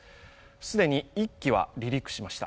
既に１機は離陸しました。